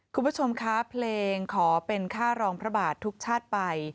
คุณผู้ชมคะเพลงขอเป็นค่ารองพระบาททุกชาติไป